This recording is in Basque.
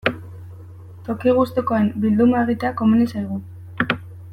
Toki gustukoen bilduma egitea komeni zaigu.